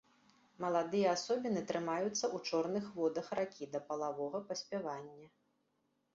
Маладыя асобіны трымаюцца ў чорных водах ракі да палавога паспявання.